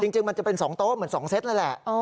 จริงมันจะเป็น๒โต๊ะเหมือน๒เซตนั่นแหละ